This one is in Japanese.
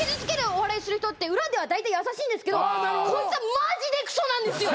お笑いする人って裏ではだいたい優しいんですけどこいつはマジでクソなんですよ